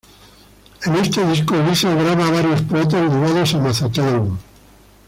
En este disco Elisa graba a varios poetas ligados a Mazatlán.